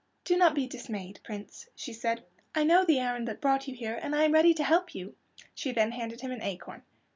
"Do not be dismayed, Prince," she said. "I know the errand that brought you here, and I am ready to help you." She then handed him an acorn.